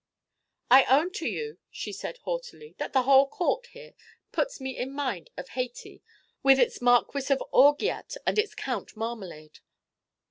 "I own to you," said she, haughtily, "that the whole Court here puts me in mind of Hayti, with its Marquis of Orgeat and its Count Marmalade.